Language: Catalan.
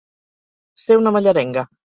Ser una mallerenga.